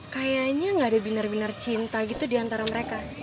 kayaknya gak ada biner biner cinta gitu diantara mereka